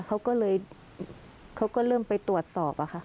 เขาก็เลยเขาก็เริ่มไปตรวจสอบอะค่ะ